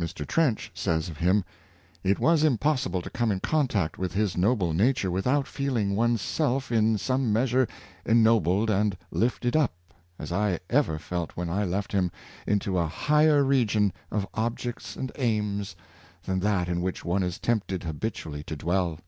Mr. Trench says of him: '' It was impossible to come Use of Biography. 595 in contact with his noble nature without feeHng one's seh' in some measure enyiohled and lifted ti p^ as I ever felt when I left him, into a higher region of objects and aims than that in which one is tempted habitually to dwell.""